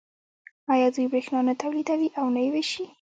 آیا دوی بریښنا نه تولیدوي او نه یې ویشي؟